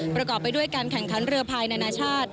ประกอบไปด้วยการแข่งขันเรือภายนานาชาติ